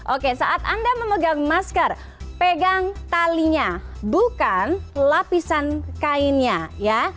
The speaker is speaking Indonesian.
oke saat anda memegang masker pegang talinya bukan lapisan kainnya ya